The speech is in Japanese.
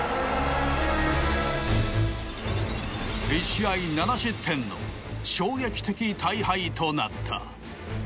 １試合７失点の衝撃的大敗となった。